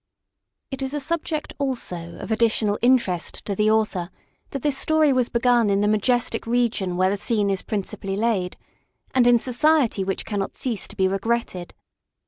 It is a subject also of additional interest to the author that this story was begun in the majestic region where the scene is principally laid, and in society which cannot cease to be regretted.